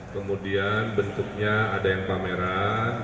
kemudian bentuknya ada yang pameran